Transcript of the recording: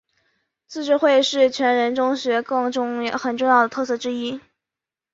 自治会是全人中学很重要的特色之一。